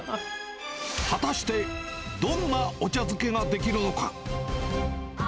果たして、どんなお茶漬けが出来るのか。